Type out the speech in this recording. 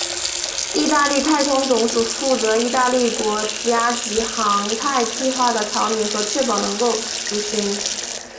义大利太空总署负责义大利国家级航太计划的草拟和确保能够执行。